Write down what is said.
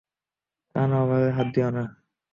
কানে ওভাবে হাত দিও না।